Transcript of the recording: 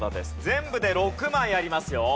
全部で６枚ありますよ。